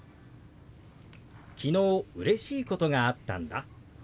「昨日うれしいことがあったんだ」。